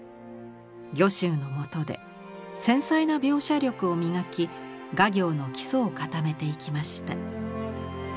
御舟のもとで繊細な描写力を磨き画業の基礎を固めていきました。